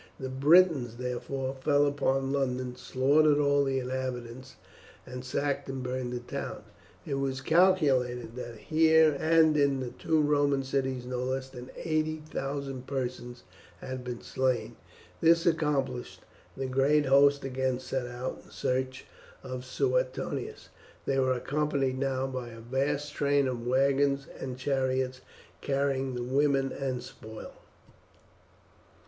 The Britons therefore fell upon London, slaughtered all the inhabitants, and sacked and burned the town. It was calculated that here and in the two Roman cities no less than 80,000 persons had been slain. This accomplished, the great host again set out in search of Suetonius. They were accompanied now by a vast train of wagons and chariots carrying the women and spoil.